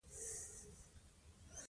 که موږ پرې پوه شو.